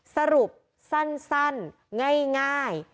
สรุปสั้นง่าย